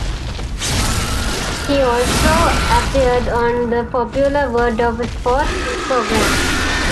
He also appeared on the popular "World of Sport" program.